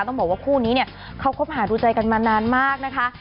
ต้องบอกว่าคู่นี้เนี่ยเขาคบหาดูใจกันมานานมากนะคะ